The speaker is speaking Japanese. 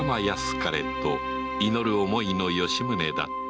かれと祈る思いの吉宗だった